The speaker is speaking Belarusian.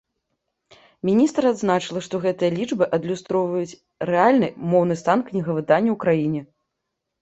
Міністр адзначыла, што гэтыя лічбы адлюстроўваюць рэальны моўны стан кнігавыдання ў краіне.